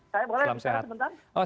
saya boleh berbicara sebentar